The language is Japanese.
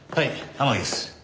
天樹です。